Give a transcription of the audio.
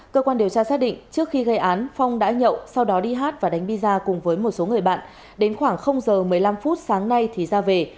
cơ quan điều tra xác định trước khi gây án phong đã nhậu sau đó đi hát và đánh biza cùng với một số người bạn đến khoảng giờ một mươi năm phút sáng nay thì ra về